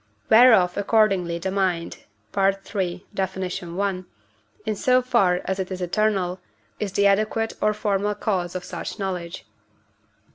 whereof accordingly the mind (III. Def. i.), in so far as it is eternal, is the adequate or formal cause of such knowledge.